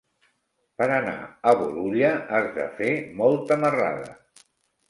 Per anar a Bolulla has de fer molta marrada.